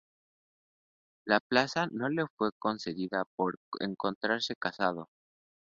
La plaza no le fue concedida por encontrarse casado.